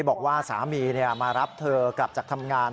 บอกว่าสามีมารับเธอกลับจากทำงาน